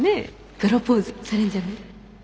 プロポーズされんじゃない？